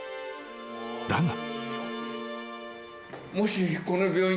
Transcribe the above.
［だが］